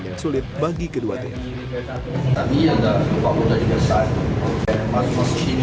penyelesaian yang sulit bagi kedua tim